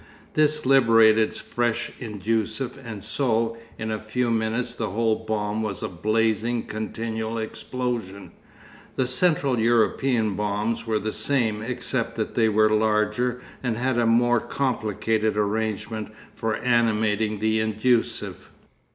This liberated fresh inducive, and so in a few minutes the whole bomb was a blazing continual explosion. The Central European bombs were the same, except that they were larger and had a more complicated arrangement for animating the inducive.